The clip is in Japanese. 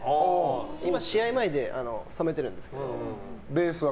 今、試合前で染めているんですけど。